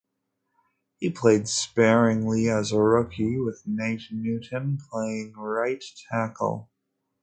He played sparingly as a rookie, with Nate Newton playing right tackle.